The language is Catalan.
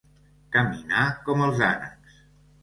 Caminar com els ànecs.